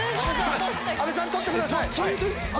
阿部さん取ってください。